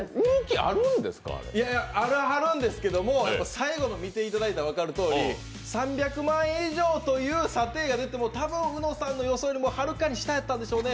最後見ていただいたら分かるとおり３００万円以上という査定が出ても多分うのさんの予想よりもはるかに下だったんでしょうね。